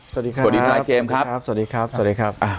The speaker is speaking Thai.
สวัสดีทนายเจมส์ครับสวัสดีครับสวัสดีครับสวัสดีครับ